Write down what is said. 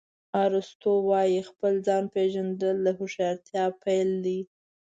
ارسطو وایي خپل ځان پېژندل د هوښیارتیا پیل دی.